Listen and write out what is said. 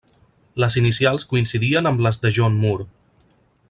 Les inicials coincidien amb les de John Moore.